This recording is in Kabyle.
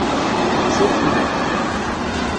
Surfen-aɣ?